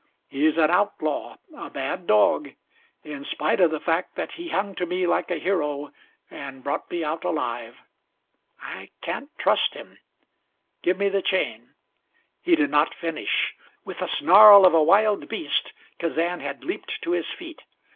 He's an outlaw a bad dog in spite of the fact that he hung to me like a hero and brought me out alive. I can't trust him. Give me the chain " He did not finish. With the snarl of a wild beast Kazan had leaped to his feet.